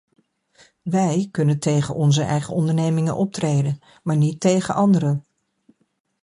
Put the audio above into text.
Wij kunnen tegen onze eigen ondernemingen optreden, maar niet tegen andere.